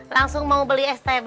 langsung mau beli stb